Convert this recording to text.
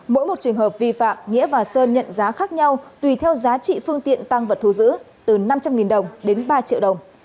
mỗi một trường hợp vi phạm nghĩa và sơn nhận giá khác nhau tùy theo giá trị phương tiện tăng vật thu giữ từ năm trăm linh đồng đến ba triệu đồng